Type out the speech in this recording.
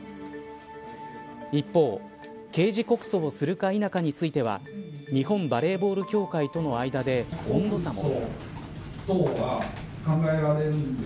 一方、刑事告訴をするか否かについては日本バレーボール協会との間で温度差も。